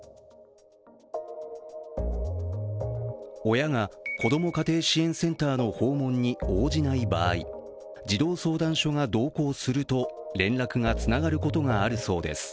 親が子ども家庭支援センターの訪問に応じない場合児童相談所が同行すると連絡がつながることがあるそうです。